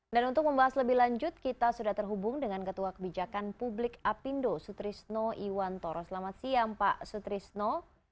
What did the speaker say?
untuk membahas lebih lanjut kita sudah terhubung dengan ketua kebijakan publik apindo sutrisno iwantoro selamat siang pak sutrisno